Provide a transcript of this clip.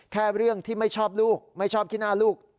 แค่เรื่องที่ไม่ชอบลูกไม่ชอบขี้หน้าลูก